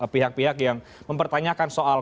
pihak pihak yang mempertanyakan soal